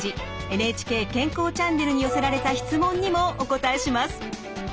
「ＮＨＫ健康チャンネル」に寄せられた質問にもお答えします。